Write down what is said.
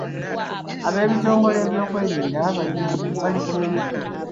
Abeebitongole by’ebyokwerinda bali ku muyiggo.